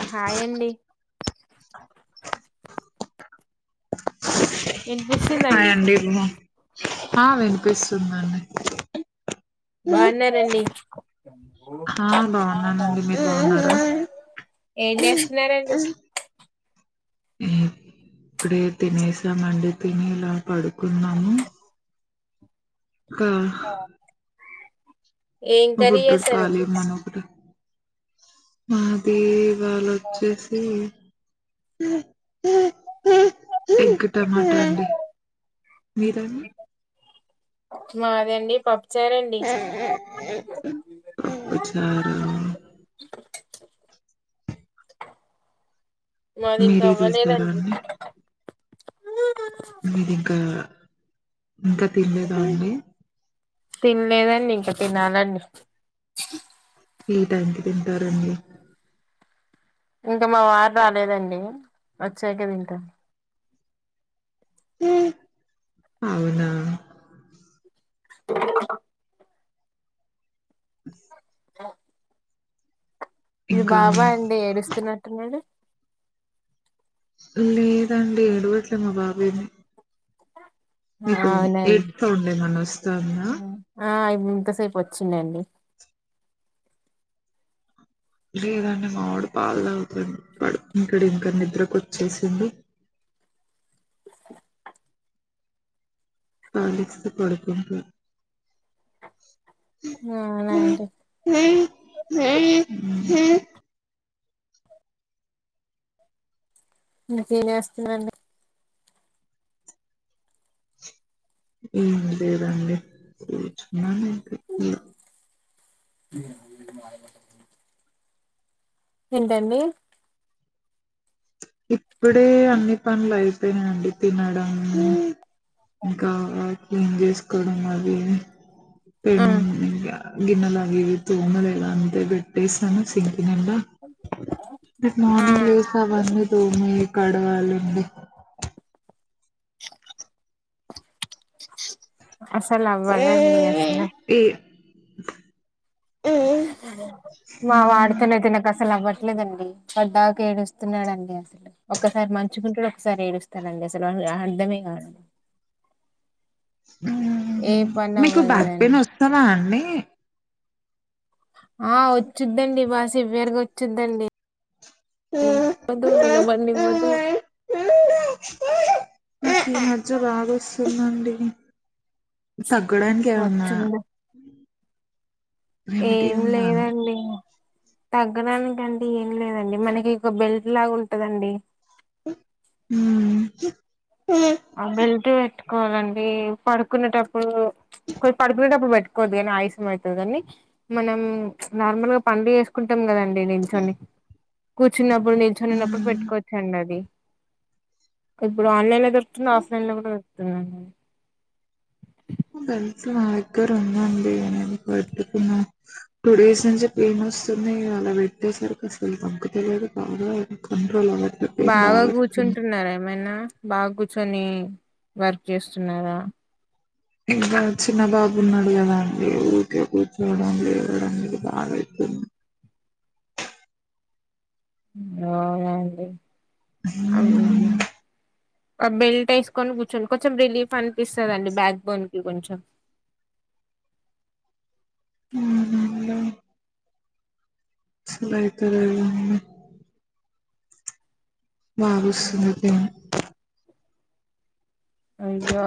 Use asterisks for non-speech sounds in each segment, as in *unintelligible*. ఆ హాయ్ అండి హాయ్ వినిపిస్తుందండి అండి ఆ వినిపిస్తుందండి బాగున్నానండి ఆ బాగున్నానండి మీరు బాగున్నారా ఏం చేస్తున్నారండి ఇప్పుడే తినేసామండి తిని ఇలా పడుకున్నాము హా ఏం మ కర్రీ బుడ్డోడు చేసారండి పాలివ్వమని ఒకటే మాది ఇవ్వాల వచ్చేసి ఎగ్ టమాటా అండి మీదండి మాదండి పప్పు పప్పుచారు మాది ఇంకా మీరే చేసారా అవ్వలేదండి మీది ఇంకా ఇంకా తినేదా అండి తిన్లేదండి ఇంక తినాలండి ఈ టైంకి తింటారండి ఇంక మా వార్ రాలేదండీ వచ్చాకే తింటాం ఊఁ ఔనా ఇది ఇంకా బాబా మీ అండి ఏడుస్తున్నట్టున్నాడు లేదండీ ఏడువట్లే మా బాబేమో ఔనన్ సౌండ్ ఏమన్నా వస్తాందా? ఆఁ ఇప్ ఇంతసేపొచ్చిందండి లేదండి మామిడు పాాల అవుతుంది పడు ఇంకడ్ ఇంక నిద్రకొచ్చేసింది పాలిస్తు పడుకుంది అవునా అండి ఇకేనే వస్తుందండి ఏం లేదండి కూచున్నాను మాయ మాటల్ ఏంటండి ఇప్పుడే అన్ని పనులు అయిపోనా అండి తినడం ఇంకా క్లీన్ జేస్కోడం అది ఇదీ పె ఆ గిన్నెలాగ ఇవి తోన లేద అంటే పెట్టేస్తాను సి తినమ్మా నక్ మార్నింగ్ లేస్ అవన్ మీ కడవలుండు ప్చ్ అసలా బగాన్ని ఏ అసనా మా వాడుతున్నాయి త నాకుసలు అబట్ లెదండీ పడ్డాక ఏడుస్తున్నడండీ అసలు ఒకసారి మంచిగుంటడు ఒకసారి ఏడుస్తడండీ అసలు హర్థమే గాద్ ఏ పని మీకు బ్యాక్ పెయిన్ అవ్వలేదండి వస్తనా అండి ఆఁ వచ్చుద్దండీ బాసే వేర్గ వచ్చుద్ధండి నివ్వదూ నిలబన్నివ్వదూ నకీమజ్య బాగొస్తుందండి తగ్గుడాన్ కన్నా వచ్చింది ఏం లేదండి తగ్గడానీకండీ ఏం లేదండి మనకి ఇక బెల్ట్ లాగ్ ఉంటదండీ ఊఁ వెల్ట్ పెట్టుకోవాలండి పడుకునేటప్పుడు పొయ్ పడుకునేటప్పుడు పెట్టుకోవద్ గానీ ఆయుసం అయితది గానీ మనం నార్మల్ గా పన్లు జేస్కుంట్ కట్టమ్ కదండీ నిల్చొని కూర్చున్నప్పుడు నిల్చొనిన్నప్పుడు మ్మ్. పెట్టుకోవచ్చండి అది ఇప్పుడు ఆన్లైన్ లో దొరుకుతుంది ఆఫ్లైన్ లో కూడా దొరుకుతుంది ఆ గల్ఫి ఆయక్కర్ ఉంద అండీ అయనని పట్టుకున్న టు డేస్ నుంచి పేయిన్ వస్తుందీ ఇగ అలా పెట్టేసరికి అస్సలు పంకుతలేదు బాగా అంకుం బాగా గూర్చుంటున్నార ఏమైనా బాగ్ గుచ్ చ్చొనీ వర్క్ జేస్తున్నరా ఇంకా చిన్నబాబు ఉన్నాడు గదా అండీ ఊర్కే కూర్చోడం లేవడం ఇది బాగా అయ్ తుం ఆహ అండి అవును మ్మ్. అ బెల్ట్ ఏస్కొని గుచ్చోన్ కొంచమ్ రిలీఫ్ అన్పిస్తద అండి బ్యాక్ బోన్ కి కొంచం మ్ ఆ హాల్లో రైతులు ఆమ్ *unintelligible* బాగొవోస్తుంది పేను అయ్యో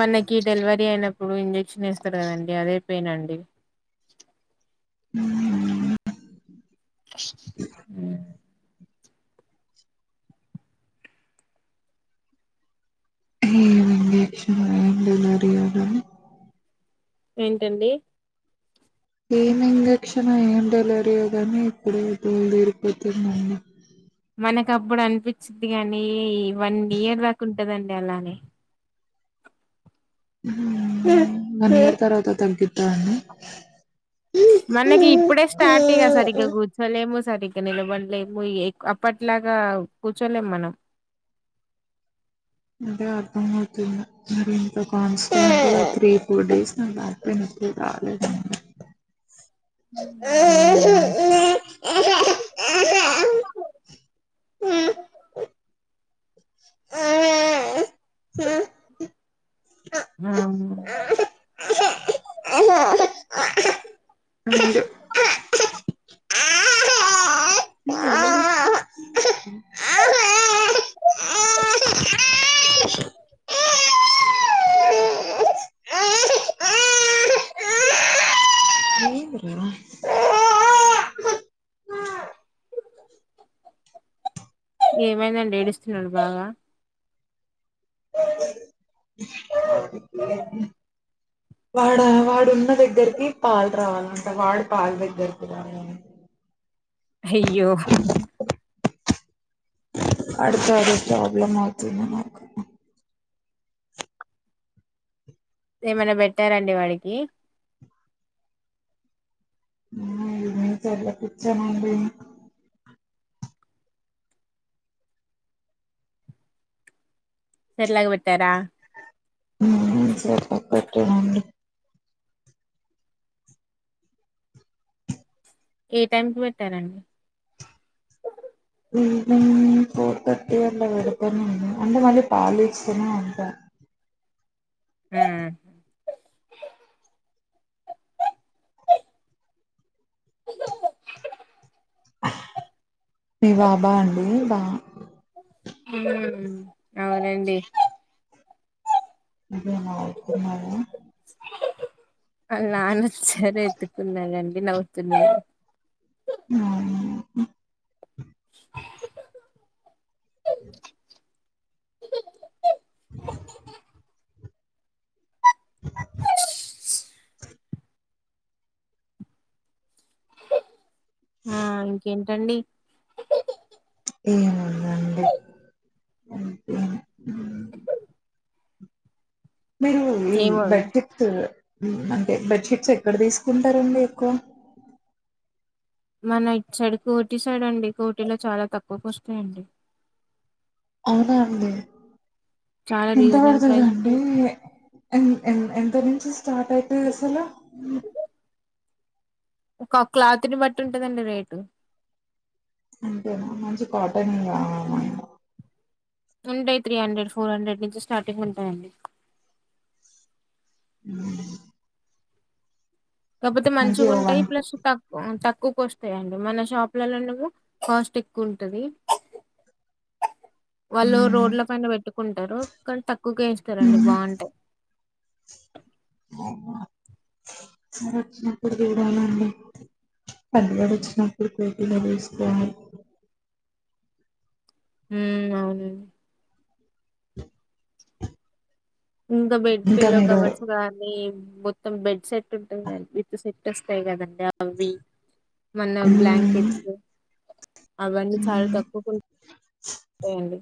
మనకి డెలివరీ అయిన అప్పుడు ఇంజెక్షన్ వేస్తారు కద అండి అదే పెయిన్ అండి మ్ మ్ అ ఏమ్ ఇంజక్షన్ ఏమ్ డెలివరి *inaudible* ఏంట అండి ఏమి ఇంజక్షన్ ఏం డెల్ వరియో గానీ ఇప్పుడు దోల్ దీరిపోతుంద్ అమ్మో మనకు అప్పుడు అనిపించిది కాగానీ వన్ ఇయర్ దాకా ఉంటద అండి అలానే మంత్ తర్వాత తగ్గిదా అండి మనకి ఇప్పుడే స్టార్ట్ ఇగ సరిగ్గా కూర్చోలేము సరిగ్గా నిలబడలేము ఈ అప్ప అట్లాగా కూర్చోలేంమ్ మనం మ్ అదే అర్థం అవుతు ఉంద మీరి ఇంత కాన్స్టెంట్గ త్రీ ఫోర్ డేస్ న నాక్ బ్యాక్ పేన్ ఈ రాలేద అండి ఆ అవు *unintelligible* ఆ ఆ *inaudible* ఆహ ఆహ ఉండు *unintelligible* ఏంద్రా? ఏమైంద అండీ ఏడుస్తు ఉన్నాడు బాగా అ వాడా వాడు ఉన్న దగ్గరికి పాలు రావాల అంట వాడు పాలు దగ్గరకి రాలేదని హయ్యో హుమ్ అడుక్కో అడుక్కొ ప్రాబ్లం అవుతు ఉంది నాకు ఏమై అయినా పెట్టారఅండి వాడికి ఆ ఇ మేచర్ లే కూచ్చొమ అండీ సర్ లాగ్గ్ పెట్టాఅరా అ సర్ లాగ్ పెట్టాన అండి ఏ టైమ్ కి పెట్టారన అండ్ ఇంతేంగ్ పో పెప్పర్టీ అట్ల పెడతనే ఉన్న అండ్ మళ్ళీ పాలు ఇస్తనే ఉంటా మ్ హిసోవే మి బాబా అండీ బా ఉహు అవున్ అండి ఉహు తిన్నావా వాళ్ నాన్న వచ్చార్ ఎత్తుకున్నార్ అండి నవ్వుతు ఉన్నా ఆహ ఆ ఇంకేటఅండి ఏముందండి మీరు ఈ ఏమో బడ్టిక్త్ అంటే బెడ్షీట్స్ ఎక్కడ తీసుకుంటారండి ఎక్కువ మన ఇ సైడ్ కోటి సైడ్ అండి కోటీలో చాలా తక్కువకు వస్తున్నాయండి అవునా అండి చాలా ఎంత రీజనల్ ప్రైజెస్ పడుతుందండి ఉంటాయి. ఎ ఎంత నుంచి స్టార్ట్ అవుతుది అసలు ఒక క్లాత్ని బట్టి ఉంటదండి రేటు అంతేనా మంచి కాటన్ కావ ఆయ ఉండయి త్రీ హండ్రెడ్ ఫోర్ హండ్రెడ్ నుంచి స్టార్టింగ్ ఉంటాయండి కాకపోతే మంచి మంచిగు ఉంటాయి వన్ ప్లస్ తక్క్ ఎక్కువక వస్తాయిండి మన షాప్లలో నువ్వు కాస్ట్ ఎక్కువ ఉంటుది వాళ్ళు రోడ్ల పైన పెట్టుకుంటారు కానీ తక్కువగా వేస్తారండి బాగుంటాయి వురకు దడాల అండి పల్గారు వచ్చినప్పుడు పోటీ నిర్హస్తను ఉ అవు ఇంకా బెడ్ ఇంకా పిల్లో మీరు కవర్స్ గానీ మొత్తం బెడ్ సెట్ ఉంటాయి కానీ విత్ సెట్ పటి వస్తాయి కదండి అవి మన బ్లాంకెట్స్ అవన్నీ చాలా నేను తక్కువకు ఉంటాయండి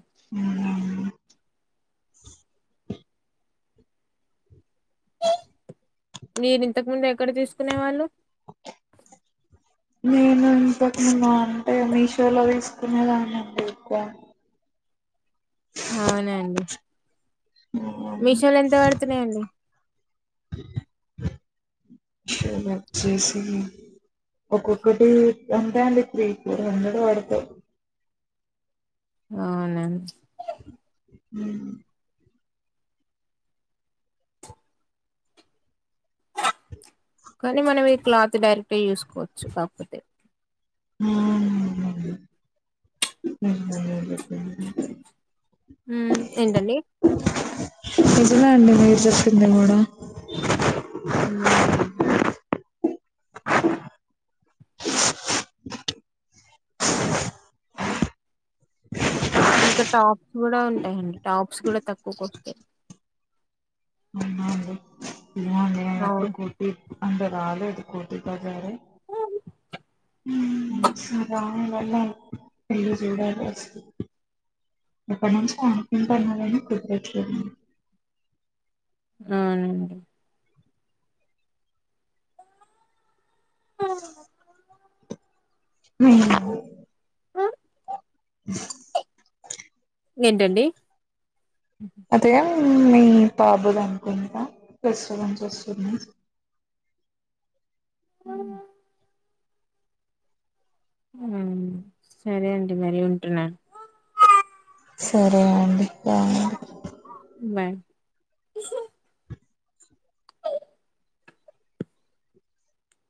మీరు ఇంతకు ముందు ఎక్కడ తీసుకునే వాళ్ళు నేను ఇంతకు ముందుఅంటే మీషోలో తీసుకునేదాన్నిండి ఎక్కువ అవునండి మీషోలు ఎంత పేడుతున్నఏది శ బ చేసి ఒక్కొక్కటి ఎంతఅండి త్రీ ఫోర్ హండ్రెడ్ పడతాయి అవునా హ కానీ మనం ఈ క్లాత్ డైరెక్ట్గా యూసుకోవచ్చు కాకపోతే ఏంటండి ఇదిలాడి మీరు చెప్పింది కూడా హ్మ్ ఇంకా టాప్స్ కూడా ఉంటాయండి టాప్స్ కూడా తక్కువకు వస్తాయి ఉండి ఇడిన ఎప్పుడు అవును కోటి అంటే రాలే అది కోటి పగారే హ్మ్ సరా *unintelligible* ఇక్కడ నుంచి ఆపిం పనాలని ప్రిపరేట్ చేయయండి అవునండి *unintelligible* ఏంటండి అదే మీ బాబు ద అనుకుందా ప్రస్రంచి వచ్చింద ఆవు ఆ సరే అండి మరీ ఉంటున్న సరే అండి బాడి వాన్